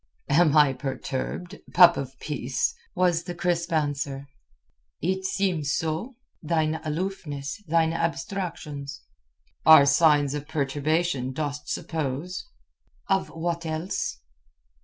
"Am I perturbed, pup of peace?" was the crisp answer. "It seems so. Thine aloofness, thine abstractions...." "Are signs of perturbation, dost suppose?" "Of what else?"